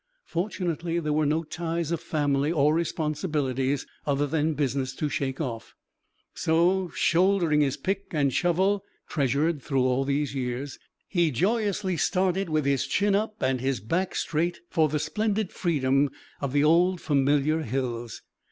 Fortunately there were no ties of family or responsibilities other than business to shake off, so shouldering his pick and shovel, treasured through all these years, he joyously started with his chin up and his back straight, for the splendid freedom of the old familiar hills.